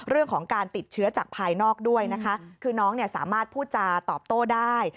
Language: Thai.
เรื่องของการติดเชื้อจากภายนอกด้วยนะคะคือน้องเนี่ยสามารถพูดจาตอบโต้ได้